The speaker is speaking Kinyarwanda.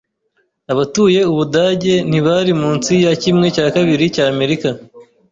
Abatuye Ubudage ntibari munsi ya kimwe cya kabiri cy’Amerika.